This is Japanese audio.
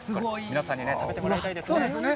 皆さんに食べてもらいたいですね。